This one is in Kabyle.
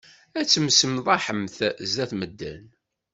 Ad temsenḍaḥemt zdat medden.